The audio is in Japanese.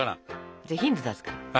じゃあヒント出すから。